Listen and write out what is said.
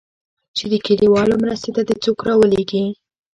چې د كليوالو مرستې ته دې څوك راولېږي.